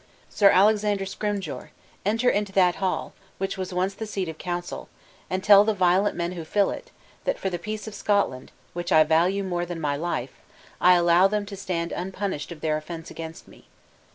Sir Alexander Scrymgeour, enter into that hall, which was once the seat of council, and tell the violent men who fill it, that for the peace of Scotland, which I value more than my life, I allow them to stand unpunished of their offense against me.